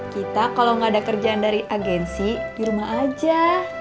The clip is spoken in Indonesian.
kita kalau nggak ada kerjaan dari agensi di rumah aja